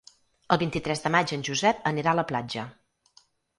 El vint-i-tres de maig en Josep anirà a la platja.